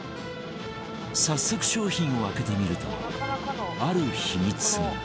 早速商品を開けてみるとある秘密が